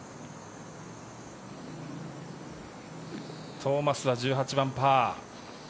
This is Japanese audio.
トーマスは１８番、パー。